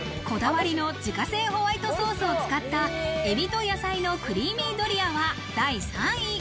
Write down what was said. こだわりの自家製ホワイトソースを使った、海老と野菜のクリーミードリアは第３位。